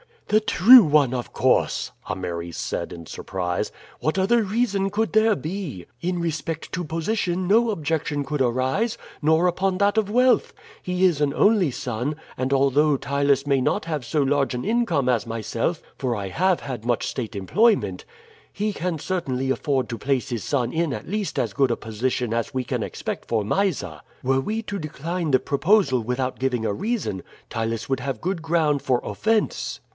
"The true one, of course!" Ameres said in surprise. "What other reason could there be? In respect to position no objection could arise, nor upon that of wealth. He is an only son, and although Ptylus may not have so large an income as myself (for I have had much state employment), he can certainly afford to place his son in at least as good a position as we can expect for Mysa. Were we to decline the proposal without giving a reason Ptylus would have good ground for offense."